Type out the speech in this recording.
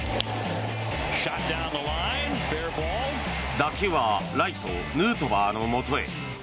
打球はライト、ヌートバーのもとへ。